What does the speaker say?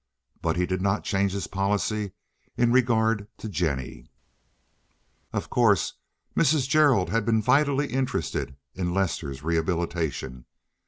But he did not change his policy in regard to Jennie. Of course Mrs. Gerald had been vitally interested in Lester's rehabilitation.